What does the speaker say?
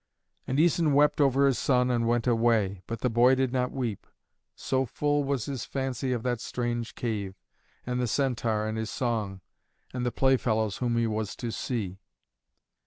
And Æson wept over his son and went away, but the boy did not weep, so full was his fancy of that strange cave, and the Centaur and his song, and the playfellows whom he was to see.